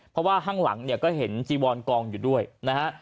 เพราะว่าข้างหลังเนี่ยก็เห็นจีวอนกองอยู่ด้วยนะฮะ